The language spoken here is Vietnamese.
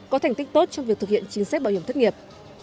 có thành tích tốt trong việc thực hiện chính sách bảo hiểm thất nghiệp